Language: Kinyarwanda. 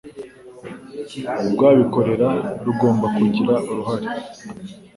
rw abikorera rugomba kugira uruhare